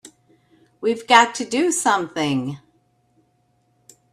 We've got to do something!